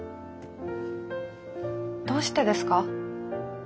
どうしてですか？